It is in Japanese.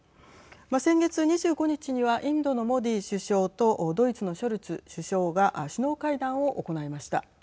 先月２５日にはインドのモディ首相とドイツのショルツ首相が首脳会談を行いました。